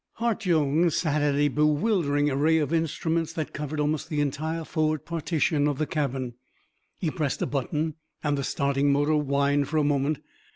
Hart Jones sat at a bewildering array of instruments that covered almost the entire forward partition of the cabin. He pressed a button and the starting motor whined for a moment.